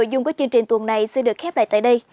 nội dung của chương trình tuần này xin được khép lại tại đây